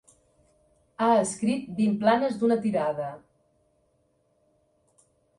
Ha escrit vint planes d'una tirada.